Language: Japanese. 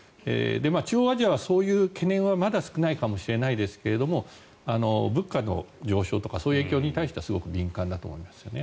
中央アジアはそういう懸念はまだ少ないかもしれないですが物価の上昇とかそういう影響に対してはすごく敏感だと思いますね。